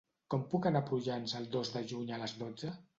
Com puc anar a Prullans el dos de juny a les dotze?